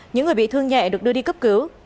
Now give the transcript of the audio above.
những người bị thương nhẹ được đưa đi cấp cứu